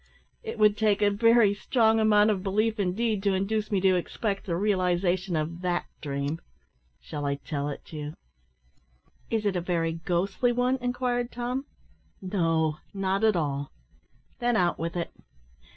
"It would take a very strong amount of belief indeed to induce me to expect the realisation of that dream. Shall I tell it you?" "Is it a very ghostly one?" inquired Tom. "No; not at all." "Then out with it."